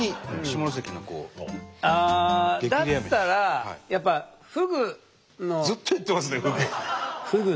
ああだったらやっぱずっと言ってますねふぐ。